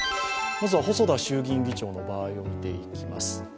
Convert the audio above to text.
まずは細田衆議院議長の場合を見ていきます。